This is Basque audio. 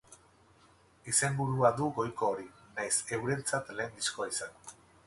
Izenburua du goiko hori, nahiz eurentzat lehen diskoa izan.